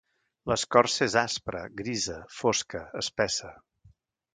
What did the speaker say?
L'escorça és aspra, grisa, fosca, espessa.